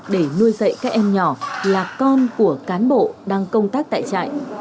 để nuôi dạy các em nhỏ là con của cán bộ đang công tác tại trại